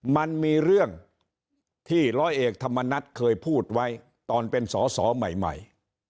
มันมีเรื่องที่ร้อยเอกธรรมนัฐเคยพูดไว้ตอนเป็นสอสอใหม่